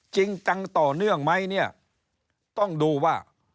จริงจังต่อเนื่องไหมเนี่ยต้องดูว่า